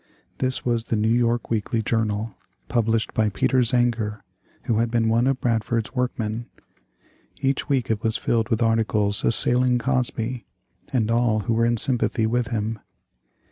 This was the New York Weekly Journal, published by Peter Zenger, who had been one of Bradford's workmen. Each week it was filled with articles assailing Cosby, and all who were in sympathy with him.